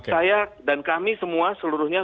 saya dan kami semua seluruhnya